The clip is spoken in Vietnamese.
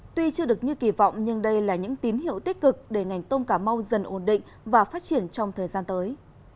tuy chưa được như kỳ vọng nhưng đây là những tín hiệu tích cực để ngành tôm cà mau dần ổn định và phát triển trong thời gian tới